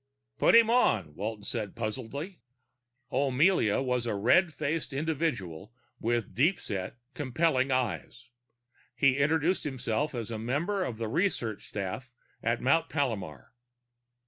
"Put him on," Walton said puzzledly. O'Mealia was a red faced individual with deep set, compelling eyes. He introduced himself as a member of the research staff at Mount Palomar.